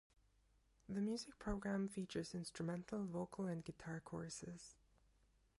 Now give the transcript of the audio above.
The music program features instrumental, vocal and guitar courses.